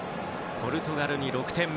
ポルトガルに６点目。